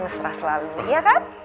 mesra selalu iya kan